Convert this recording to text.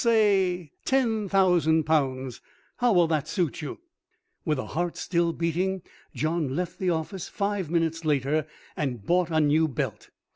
Say ten thousand pounds. How will that suit you?" With a heart still beating John left the office five minutes later and bought a new belt.